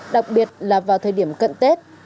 đặc biệt là vào thời điểm cận tết